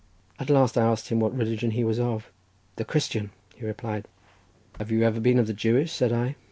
At last I asked him what religion he was of. "The Christian," he replied. "Have you ever been of the Jewish?" said I.